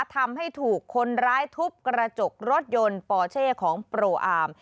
ทำให้ถูกคนร้ายทุบกระจกรถยนต์ปอเช่ของโปรอาร์ม